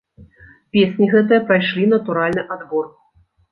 Песні гэтыя прайшлі натуральны адбор.